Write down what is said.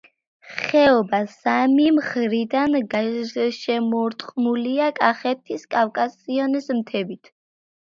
ხეობა სამი მხრიდან გარშემორტყმულია კახეთის კავკასიონის მთებით.